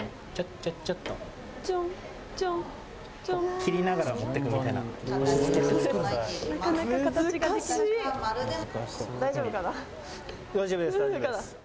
切りながら持っていくみたいな感じです。